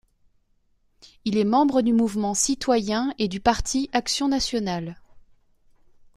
Il est membre du mouvement citoyen et du parti action nationale.